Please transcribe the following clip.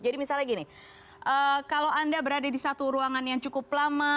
jadi misalnya begini kalau anda berada di satu ruangan yang cukup lama